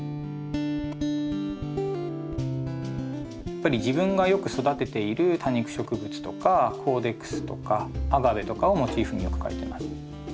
やっぱり自分がよく育てている多肉植物とかコーデックスとかアガベとかをモチーフによく描いてます。